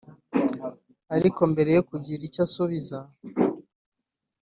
ariko mbere yo kugira icyo asubiza